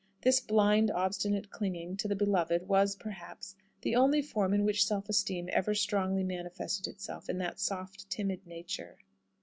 This blind, obstinate clinging to the beloved was, perhaps, the only form in which self esteem ever strongly manifested itself in that soft, timid nature.